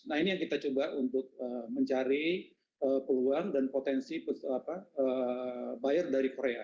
nah ini yang kita coba untuk mencari peluang dan potensi buyer dari korea